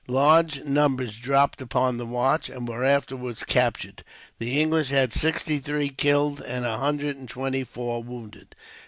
Large numbers dropped upon the march, and were afterwards captured. The English had sixty three killed, and a hundred and twenty four wounded.